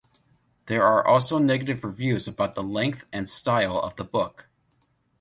There are also negative reviews about the length and style of the book.